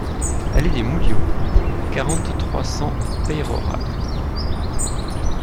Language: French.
Allée des Mouliots, quarante, trois cents Peyrehorade